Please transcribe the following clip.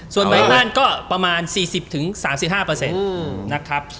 ส่วนหมายมั่นก็ประมาณ๔๐๓๕นะครับ